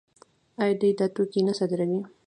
آیا دوی دا توکي نه صادروي؟